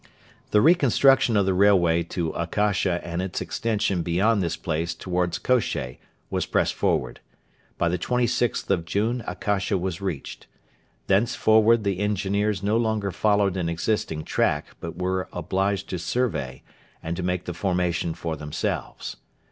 The reconstruction of the railway to Akasha and its extension beyond this place towards Kosheh was pressed forward. By the 26th of June Akasha was reached. Thenceforward the engineers no longer followed an existing track, but were obliged to survey, and to make the formation for themselves.